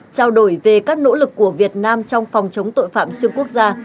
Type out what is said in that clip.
trao đổi về các nỗ lực của việt nam trong phòng chống tội phạm xuyên quốc gia